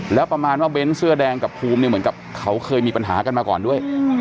แล้วประมาณว่าเบ้นเสื้อแดงกับภูมิเนี่ยเหมือนกับเขาเคยมีปัญหากันมาก่อนด้วย